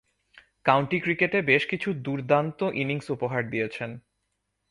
County ক্রিকেটে বেশকিছু দূর্দান্ত ইনিংস উপহার দিয়েছেন।